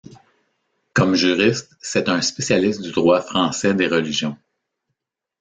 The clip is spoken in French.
Comme juriste, c'est un spécialiste du droit français des religions.